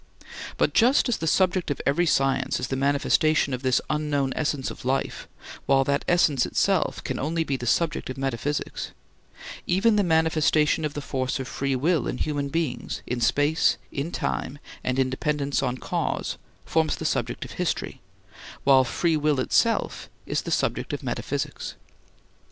But just as the subject of every science is the manifestation of this unknown essence of life while that essence itself can only be the subject of metaphysics, even the manifestation of the force of free will in human beings in space, in time, and in dependence on cause forms the subject of history, while free will itself is the subject of metaphysics.